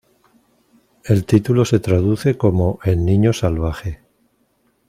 El título se traduce como "El niño salvaje".